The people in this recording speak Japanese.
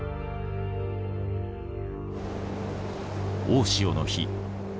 大潮の日。